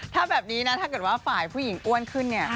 ถ้าแบบนี้นะถ้าเกิดว่าฝ่ายผู้หญิงอ้วนขึ้นเนี่ย